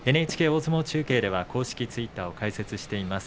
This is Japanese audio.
ＮＨＫ大相撲中継では公式ツイッターを開設しています。